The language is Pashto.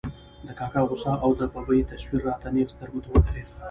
د کاکا غوسه او د ببۍ تصویر را ته نېغ سترګو ته ودرېد.